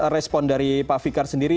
respon dari pak fikar sendiri